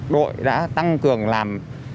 đội đã tăng cường làm